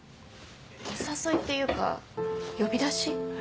お誘いっていうか呼び出し？